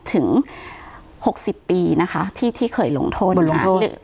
ถึงหกสิบปีนะคะที่ที่เคยลงโทษบนลงโทษ